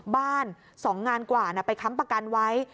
บ้าน๒งานกว่าไปค้ำประกันไว้